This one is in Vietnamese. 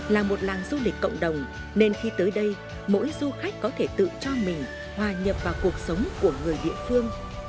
là một làng du lịch cộng đồng nên khi tới đây mỗi du khách có thể tự cho mình hòa nhập vào cuộc sống của người địa phương